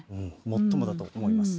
もっともだと思います。